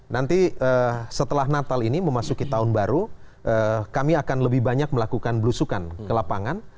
nanti setelah natal ini memasuki tahun baru kami akan lebih banyak melakukan belusukan ke lapangan